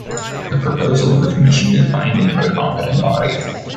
The proposal of the commission is binding for the competent body.